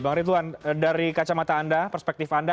bang rituan dari kacamata anda perspektif anda